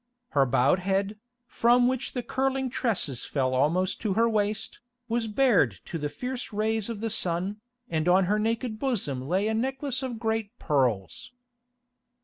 Her bowed head, from which the curling tresses fell almost to her waist, was bared to the fierce rays of the sun, and on her naked bosom lay a necklace of great pearls.